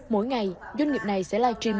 mỗi ngày doanh nghiệp này sẽ live stream